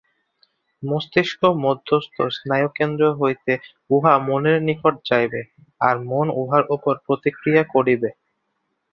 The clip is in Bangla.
মস্তিষ্ক-মধ্যস্থ স্নায়ুকেন্দ্র হইতে উহা মনের নিকট যাইবে, আর মন উহার উপর প্রতিক্রিয়া করিবে।